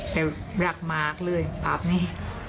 และรักมากเลยแบบนี้